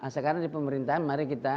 sekarang di pemerintahan mari kita